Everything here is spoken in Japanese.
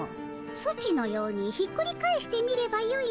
ソチのようにひっくり返してみればよいのじゃ。